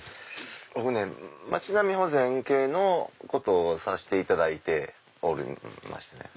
町並み保全系のことをさしていただいておりましてね。